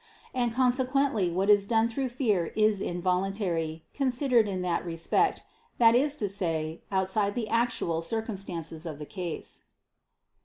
And consequently what is done through fear is involuntary, considered in that respect, that is to say, outside the actual circumstances of the case.